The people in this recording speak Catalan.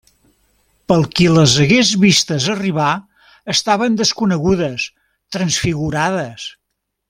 Pel qui les hagués vistes arribar, estaven desconegudes, transfigurades.